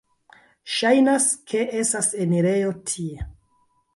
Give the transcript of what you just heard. Ŝajnas, ke estas enirejo tie.